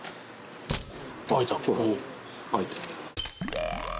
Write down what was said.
開いた。